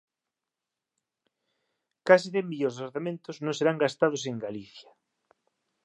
Case cen millóns dos orzamentos non serán gastados en Galicia